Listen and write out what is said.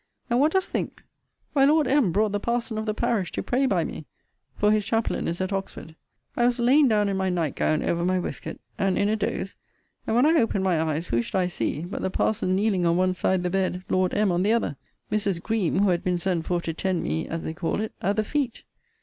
And what dost think! why Lord M. brought the parson of the parish to pray by me; for his chaplain is at Oxford. I was lain down in my night gown over my waistcoat, and in a doze: and, when I opened my eyes, who should I see, but the parson kneeling on one side the bed; Lord M. on the other; Mrs. Greme, who had been sent for to tend me, as they call it, at the feet!